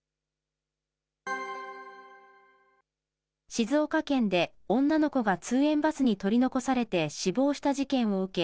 静岡県で女の子が通園バスに取り残されて死亡した事件を受け、